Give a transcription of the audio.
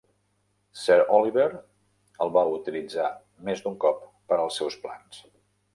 Sir Oliver el va utilitzar més d'un cop per als seus plans.